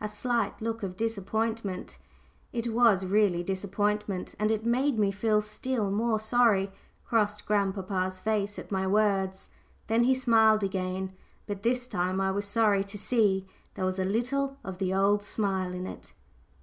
A slight look of disappointment it was really disappointment, and it made me feel still more sorry crossed grandpapa's face at my words. Then he smiled again, but this time I was sorry to see there was a little of the old smile in it.